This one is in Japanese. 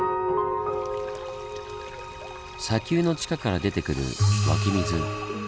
砂丘の地下から出てくる湧き水。